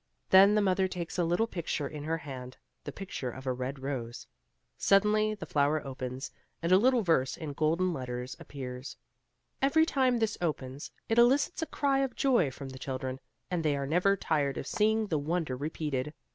Then the mother takes a little picture in her hand, the picture of a red rose. Suddenly the flower opens, and a little verse in golden letters appears. Every time this opens, it elicits a cry of joy from the children, and they are never tired of seeing the wonder repeated.